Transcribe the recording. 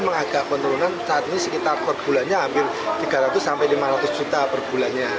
mengagak penurunan saat ini sekitar per bulannya hampir tiga ratus sampai lima ratus juta per bulannya